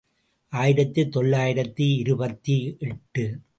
ஆயிரத்துத் தொளாயிரத்து இருபத்து எட்டு.